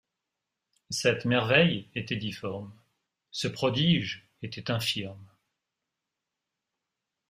Cette merveille était difforme ; ce prodige était infirme.